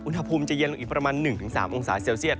อุณหภูมิจะเย็นลงอีกประมาณ๑๓องศาเซลเซียต